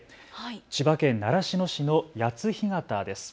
千葉県習志野市の谷津干潟です。